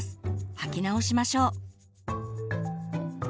履き直しましょう。